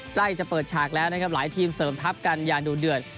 ใกล้จะเปิดฉากแล้วนะครับหลายทีมเสริมทัพกันอย่างดูเดือด